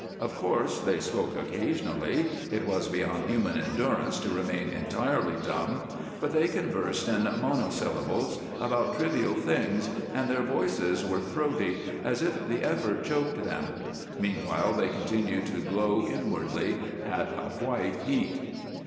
Of course they spoke occasionally it was beyond human endurance to remain entirely dumb but they conversed in monosyllables, about trivial things, and their voices were throaty, as if the effort choked them. Meanwhile they continued to glow inwardly at a white heat.